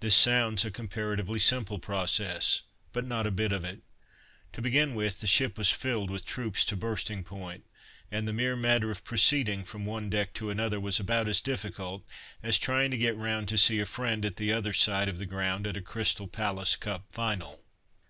This sounds a comparatively simple process, but not a bit of it. To begin with, the ship was filled with troops to bursting point, and the mere matter of proceeding from one deck to another was about as difficult as trying to get round to see a friend at the other side of the ground at a Crystal Palace Cup final.